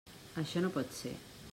Això no pot ser.